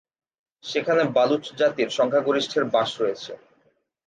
সেখানে বালুচ জাতির সংখ্যাগরিষ্ঠের বাস রয়েছে।